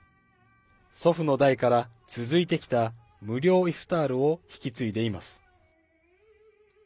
祖父の代から続いてきた無料イフタールを引き継いでいます。